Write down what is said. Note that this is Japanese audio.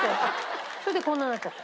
それでこんなになっちゃった。